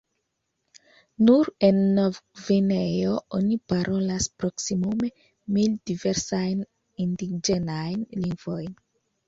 Nur en Nov-Gvineo oni parolas proksimume mil diversajn indiĝenajn lingvojn.